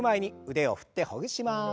腕を振ってほぐします。